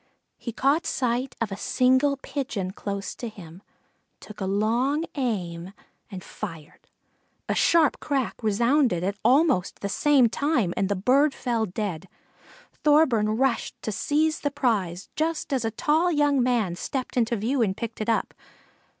He caught sight of a single Pigeon close to him, took a long aim and fired. A sharp crack resounded at almost the same time and the bird fell dead. Thorburn rushed to seize the prize just as a tall young man stepped into view and picked it up.